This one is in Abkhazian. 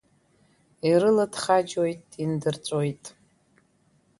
Ирылаҭхаџьуеит, индырҵәоит…